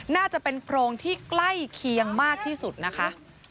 น่าจะเป็นโพรงที่ใกล้เคียงมากที่สุดนะคะ